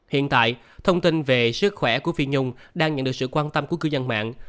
hiện tại thông tin về sức khỏe của phi nhung đang nhận được sự quan tâm của cư dân mạng